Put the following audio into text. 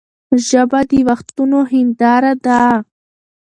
ژبه د وختونو هنداره ده.